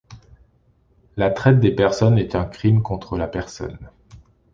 La traite des personnes est un crime contre la personne.